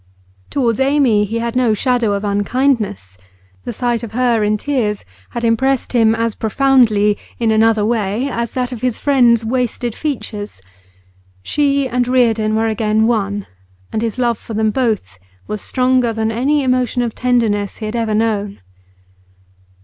Towards Amy he had no shadow of unkindness; the sight of her in tears had impressed him as profoundly, in another way, as that of his friend's wasted features. She and Reardon were again one, and his love for them both was stronger than any emotion of tenderness he had ever known.